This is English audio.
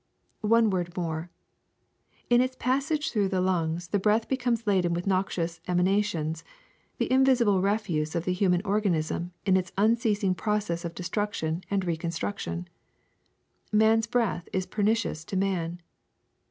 ^^One word more : in its passage through the lungs the breath becomes laden with noxious emanations, the invisible refuse of the human organism in its un ceasing process of destruction and reconstruction. Man's breath is pernicious to man.